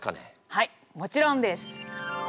はいもちろんです。